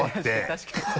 確かに。